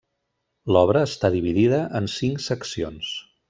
L'obra està dividida en cinc seccions.